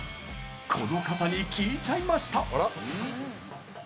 この方に聞いちゃいました。